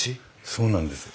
そうなんです。